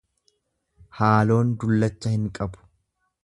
Haaloon dullacha hin qabu.